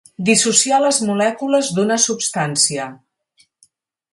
Dissociar les molècules d'una substància.